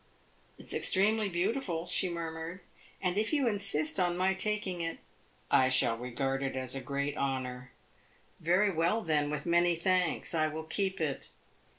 "It 's extremely beautiful," she murmured, "and if you insist on my taking it " "I shall regard it as a great honor." "Very well, then; with many thanks, I will keep it."